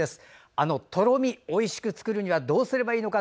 あのとろみ、おいしく作るにはどうすればいいのか。